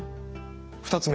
２つ目。